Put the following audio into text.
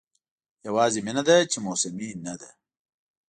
یوازې مینه ده چې موسمي نه ده.